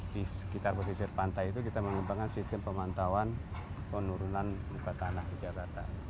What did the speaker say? di sekitar pesisir pantai itu kita mengembangkan sistem pemantauan penurunan muka tanah di jakarta